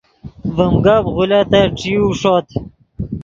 ڤیم گپ غولیتت ݯیو ݰوت